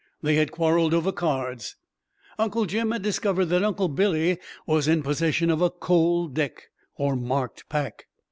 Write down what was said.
They had quarreled over cards Uncle Jim had discovered that Uncle Billy was in possession of a "cold deck," or marked pack.